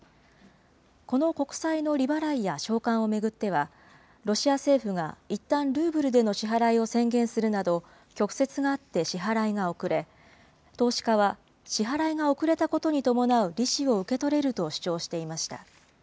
この国債の利払いや償還を巡っては、ロシア政府がいったん、ルーブルでの支払いを宣言するなど、曲折があって支払いが遅れ、投資家は支払いが遅れたことに伴う利子を受け取れると主張していました。